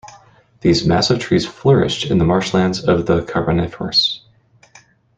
These massive trees flourished in marshlands of the Carboniferous.